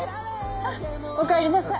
あっおかえりなさい。